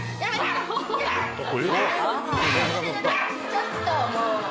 ちょっともう。